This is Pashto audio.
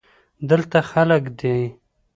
دلته خلگ دی.